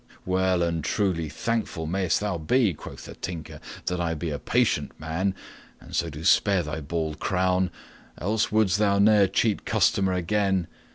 "Well and truly thankful mayst thou be," quoth the Tinker, "that I be a patient man and so do spare thy bald crown, else wouldst thou ne'er cheat customer again.